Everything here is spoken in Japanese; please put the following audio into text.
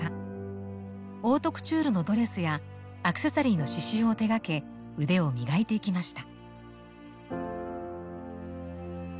オートクチュールのドレスやアクセサリーの刺しゅうを手がけ腕を磨いていきました。